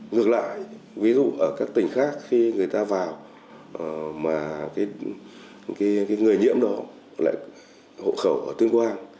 ngược lại ví dụ ở các tỉnh khác khi người ta vào mà người nhiễm đó lại hộ khẩu ở tương quang